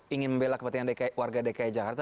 ingin membela kepentingan warga dki jakarta